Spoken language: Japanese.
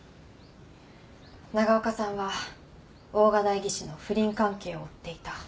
長岡さんは大賀代議士の不倫関係を追っていた。